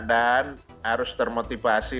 dan harus termotivasi